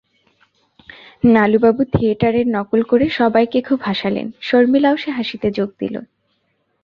নালুবাবু থিয়েটারের নকল করে সবাইকে খুব হাসালেন, শর্মিলাও সে হাসিতে যোগ দিলে।